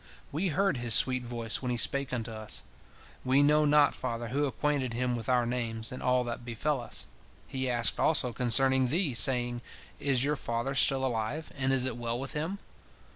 We heard his sweet voice when he spake unto us. We know not, father, who acquainted him with our names, and all that befell us. He asked also concerning thee, saying, Is your father still alive, and is it well with him?